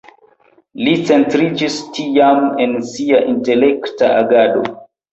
Li centriĝis tiam en sia intelekta agado.